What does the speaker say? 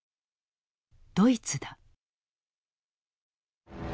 ドイツだ。